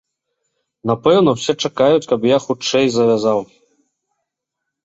Напэўна, усе чакаюць, каб я хутчэй завязаў.